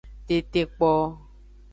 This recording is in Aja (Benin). Tetekpo.